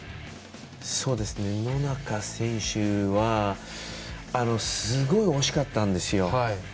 野中選手はすごい惜しかったんですよ。